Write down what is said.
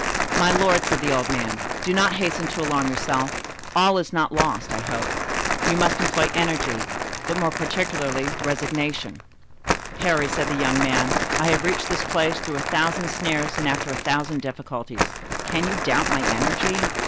"My lord," said the old man, "do not hasten to alarm yourself; all is not lost, I hope. You must employ energy, but more particularly resignation." "Parry," said the young man, "I have reached this place through a thousand snares and after a thousand difficulties; can you doubt my energy?